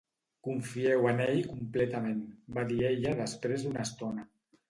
"Confieu en ell completament", va dir ella després d'una estona.